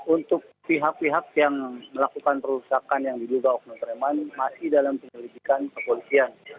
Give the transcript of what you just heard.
untuk pihak pihak yang melakukan perusakan yang diduga okno treman masih dalam penelitikan kepolisian